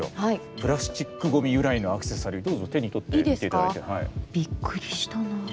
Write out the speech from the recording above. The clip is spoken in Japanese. プラスチックごみ由来のアクセサリーどうぞ手に取って見ていただいて。